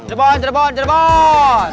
terbang terbang terbang